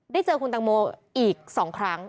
ได้เจอคุณแต่งโมอีก๒ครั้ง